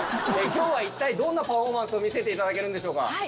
今日は一体どんなパフォーマンスを見せていただけるんでしょうか？